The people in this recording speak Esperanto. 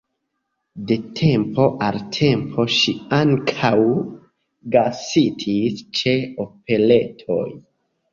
De tempo al tempo ŝi ankaŭ gastis ĉe operetoj.